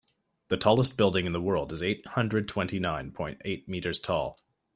The tallest building in the world is eight hundred twenty nine point eight meters tall.